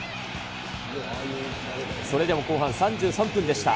それでも後半３３分でした。